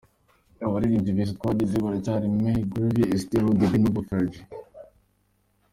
Abaririmbyi beza twagize barahari Macy Gray, Esthero, Debi Nova, Fergie.